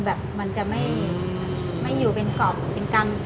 ฟูนใจมากครับ